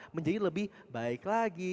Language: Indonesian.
menjadi lebih baik lagi